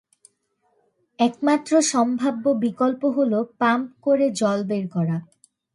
একমাত্র সম্ভাব্য বিকল্প হল পাম্প করে জল বের করা।